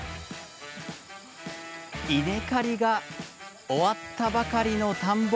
稲刈りが終わったばかりの田んぼ。